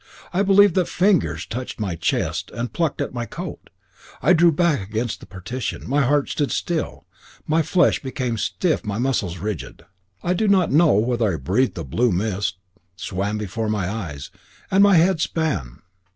I believed that fingers touched my chest and plucked at my coat. I drew back against the partition; my heart stood still, my flesh became stiff, my muscles rigid. I do not know whether I breathed a blue mist swam before my eyes, and my head span.